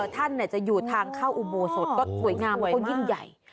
ท่านจะอยู่ทางเข้าอุโบสถก็สวยงามก็ยิ่งใหญ่